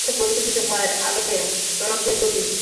এতে পরিবর্তিত হয় আলোক তরঙ্গের গতি।